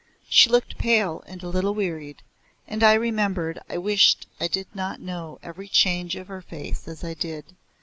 She looked pale and a little wearied, and I remembered I wished I did not know every change of her face as I did.